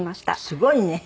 すごいね。